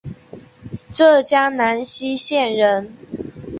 浙江兰溪县人。